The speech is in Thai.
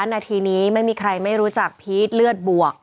นาทีนี้ไม่มีใครไม่รู้จักพีชเลือดบวก